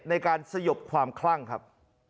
ในการสยบความคลั่งครับ